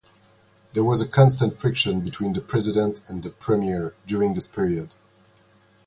There was constant friction between the President and the Premier during this period.